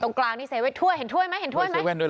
ตรงกลางนี้เซเว่นถ้วยเห็นถ้วยไหมเห็นถ้วยไหมถ้วยเซเว่นด้วยหรอ